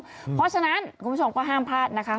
เพราะฉะนั้นคุณผู้ชมก็ห้ามพลาดนะคะ